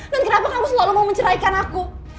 dan kenapa kamu selalu mau menceraikan aku